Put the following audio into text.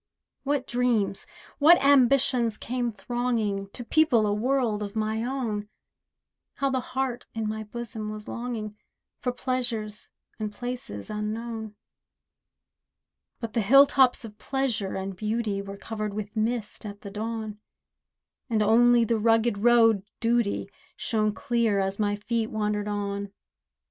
What dreams, what ambitions came thronging To people a world of my own! How the heart in my bosom was longing, For pleasures and places unknown. But the hill tops of pleasure and beauty Were covered with mist at the dawn; And only the rugged road Duty Shone clear, as my feet wandered on.